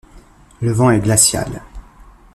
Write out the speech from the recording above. Le vent est glacial.